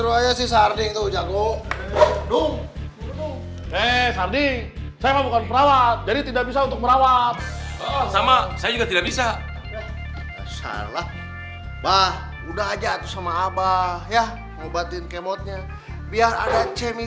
udah suruh aja sih sarding tuh jago dung eh sardi saya bukan perawat jadi tidak bisa untuk merawat sama saya juga tidak bisa salah bah udah aja sama abah ya ngobatin kemotnya biar ada chemistri nya